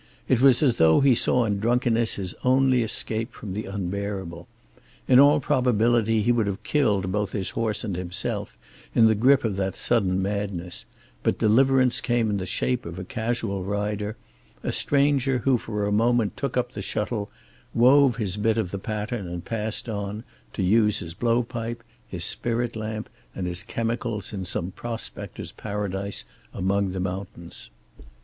It was as though he saw in drunkenness his only escape from the unbearable. In all probability he would have killed both his horse and himself in the grip of that sudden madness, but deliverance came in the shape of a casual rider, a stranger who for a moment took up the shuttle, wove his bit of the pattern and passed on, to use his blow pipe, his spirit lamp and his chemicals in some prospector's paradise among the mountains.